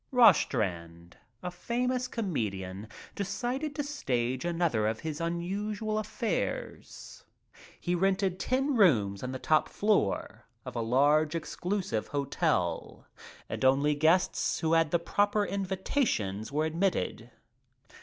Rostrand, a famous comedian, decided to stage another of his unusual He rented ten rooms on the top floor of a large execlusive hotel and only guests who had the proper invitations were admitted.